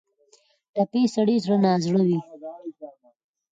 ټپي سړی زړه نا زړه وي.